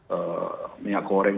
ee minyak goreng